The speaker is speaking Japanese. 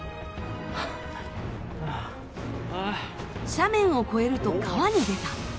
斜面を越えると川に出た。